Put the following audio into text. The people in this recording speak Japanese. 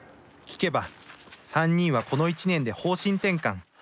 聞けば３人はこの１年で方針転換。